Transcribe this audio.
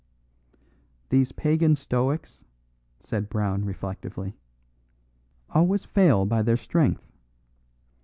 "These pagan stoics," said Brown reflectively, "always fail by their strength.